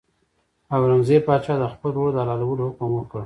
اورنګزېب پاچا د خپل ورور د حلالولو حکم وکړ.